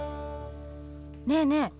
ねえねえ